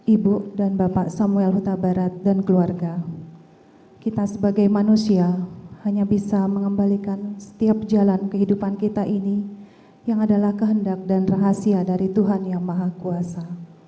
ibu dan bapak samuel huta barat dan keluarga kita sebagai manusia hanya bisa mengembalikan setiap jalan kehidupan kita ini yang adalah kehendak dan rahasia dari tuhan yang maha kuasa